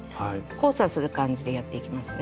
交差する感じでやっていきますね。